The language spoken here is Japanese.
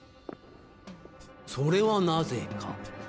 それはなぜか？